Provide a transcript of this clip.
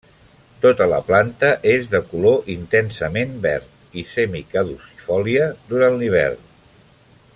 Tota la planta és de color intensament verd i semicaducifòlia durant l'hivern.